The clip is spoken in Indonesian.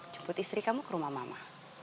jemput istri kamu ke rumah mama